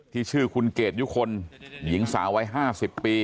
ที่ชื่อคุณเกดยุคลหญิงสาววัย๕๐ปี